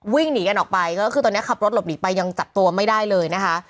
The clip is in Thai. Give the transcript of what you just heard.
วิ่งหนีกันออกไปก็คือตอนนี้ขับรถหลบหนีไปยังจับตัวไม่ได้เลยนะคะ